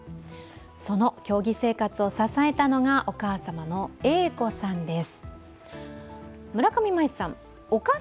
その競技生活を支えたのがお母様の英子さんです。